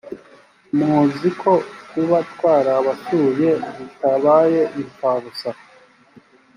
muzi ko kuba twarabasuye bitabaye imfabusa